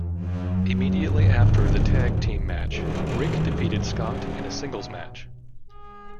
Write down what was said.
Immediately after the tag team match, Rick defeated Scott in a singles match.